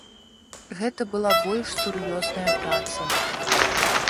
Гэта была больш сур'ёзная праца.